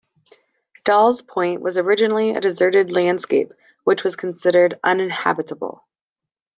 Dolls Point was originally a deserted landscape, which was considered uninhabitable.